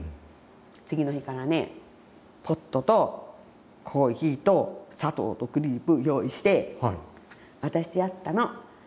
次の日からねポットとコーヒーと砂糖とクリープ用意して渡してやったの。